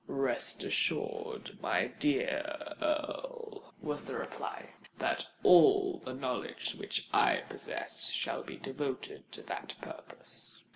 "Rest assured, my dear Earl," was the reply, "that all the knowledge which I possess shall be devoted to that purpose."